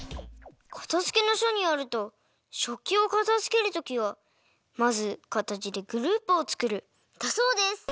「かたづけの書」によると「食器をかたづける時はまず形でグループをつくる」だそうです！